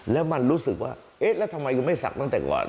แล้วมันรู้สึกว่าเอ๊ะแล้วทำไมคุณไม่ศักดิ์ตั้งแต่ก่อน